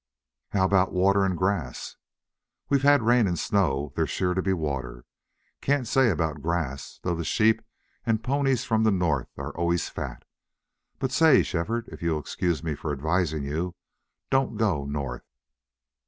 "How about water and grass?" "We've had rain and snow. There's sure to be, water. Can't say about grass, though the sheep and ponies from the north are always fat.... But, say, Shefford, if you'll excuse me for advising you don't go north."